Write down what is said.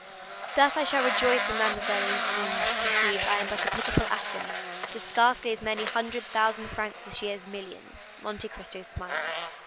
"Thus I shall rejoice when Mademoiselle Eugénie perceives I am but a pitiful atom, with scarcely as many hundred thousand francs as she has millions." Monte Cristo smiled.